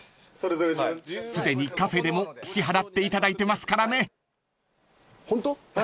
［すでにカフェでも支払っていただいてますからね］